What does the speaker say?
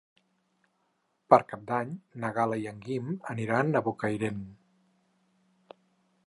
Per Cap d'Any na Gal·la i en Guim aniran a Bocairent.